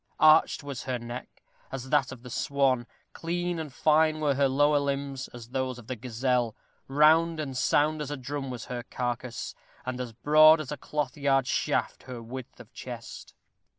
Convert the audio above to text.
Arched was her neck, as that of the swan; clean and fine were her lower limbs, as those of the gazelle; round and sound as a drum was her carcase, and as broad as a cloth yard shaft her width of chest.